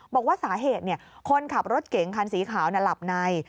บอกว่าสาเหตุคนขับรถเก๋งคันสีขาวหลับใน